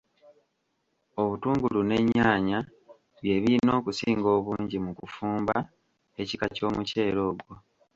Obutungulu n'ennyaanya bye biyina okusinga obungi mu kufumba ekika ky'omuceere ogwo.